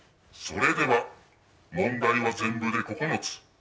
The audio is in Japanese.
それでは、問題は全部で９つ。